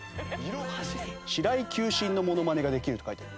白井球審のモノマネができるって書いてあります。